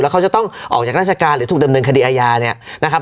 เขาจะต้องออกจากราชการหรือถูกดำเนินคดีอาญาเนี่ยนะครับ